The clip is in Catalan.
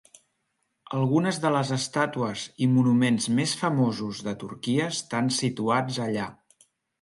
Algunes de les estàtues i monuments més famosos de Turquia estan situats allà.